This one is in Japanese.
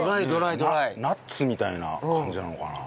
ナッツみたいな感じなのかな。